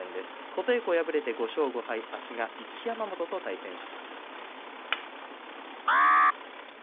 琴恵光、敗れて５勝５敗明日は一山本対戦します。